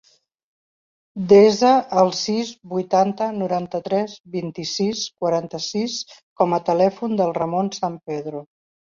Desa el sis, vuitanta, noranta-tres, vint-i-sis, quaranta-sis com a telèfon del Ramon San Pedro.